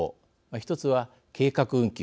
１つは計画運休